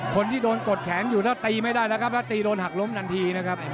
คนที่โดนกดแขนอยู่ถ้าตีไม่ได้แล้วครับถ้าตีโดนหักล้มทันทีนะครับ